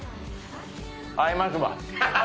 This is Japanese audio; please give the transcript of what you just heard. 合いますわ！